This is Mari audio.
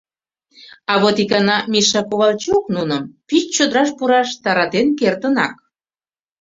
А вот икана Миша Ковальчук нуным пич чодыраш пураш таратен кертынак.